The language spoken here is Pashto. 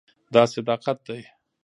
دا صداقت ده.